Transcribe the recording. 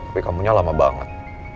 tapi kamunya lama banget